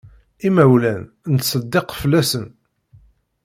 Imawlan, nettseddiq fell-asen.